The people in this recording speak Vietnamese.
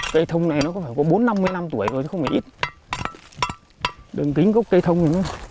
cây thông này nó có phải có bốn mươi năm năm tuổi rồi không phải ít đường kính gốc cây thông